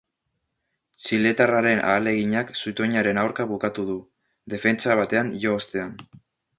Txiletarraren ahaleginak zutoinaren aurka bukatu du, defentsa batean jo ostean.